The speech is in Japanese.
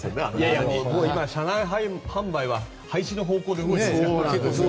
いや、車内販売は今廃止の方向で動いてますから。